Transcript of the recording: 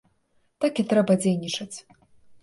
Так трэба і дзейнічаць.